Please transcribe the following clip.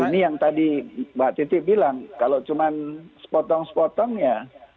ini yang tadi mbak titi bilang kalau cuma sepotong sepotong ya